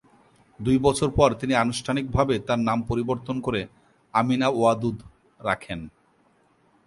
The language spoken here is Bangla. দুই বছর পর তিনি আনুষ্ঠানিকভাবে তার নাম পরিবর্তন করে "আমিনা ওয়াদুদ" রাখেন।